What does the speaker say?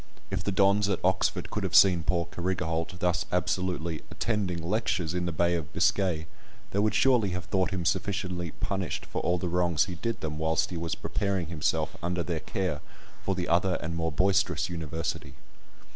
If the dons at Oxford could have seen poor Carrigaholt thus absolutely "attending lectures" in the Bay of Biscay, they would surely have thought him sufficiently punished for all the wrongs he did them whilst he was preparing himself under their care for the other and more boisterous University.